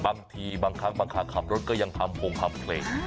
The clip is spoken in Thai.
บางทีบางครั้งบางคราขับรถก็ยังทำโพงทำเพลง